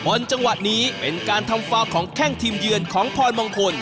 จังหวะนี้เป็นการทำฟาวของแข้งทีมเยือนของพรมงคล